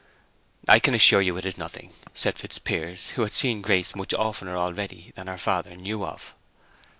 "I can assure you it is nothing," said Fitzpiers, who had seen Grace much oftener already than her father knew of.